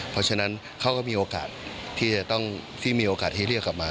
เพราะฉะนั้นเขาก็มีโอกาสที่จะต้องที่มีโอกาสที่เรียกกลับมา